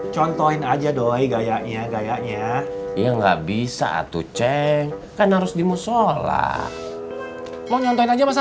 sampai jumpa di video selanjutnya